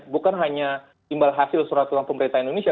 bukan hanya imbah hasil surat utang pemerintah indonesia